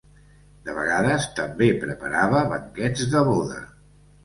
De vegades també preparava banquets de boda.